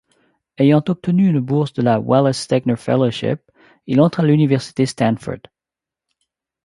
Ayant obtenu une bourse de la Wallace Stegner Fellowship, il entre à l’université Stanford.